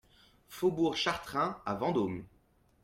Faubourg Chartrain à Vendôme